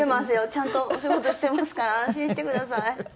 ちゃんとお仕事してますから安心してください。